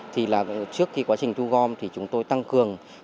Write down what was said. thì là trước khi quá trình thu gom thì chúng tôi tăng cường